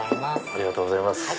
ありがとうございます。